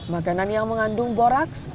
makanan yang mengandung borak